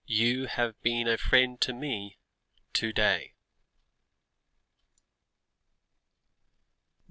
"YOU HAVE BEEN A FRIEND TO ME TO DAY."